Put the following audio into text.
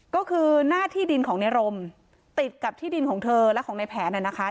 ก็คือหน้าที่ดินของในรมติดกับที่ดินของเธอและของในแผนน่ะนะคะ